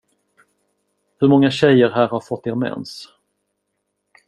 Hur många tjejer här har fått er mens?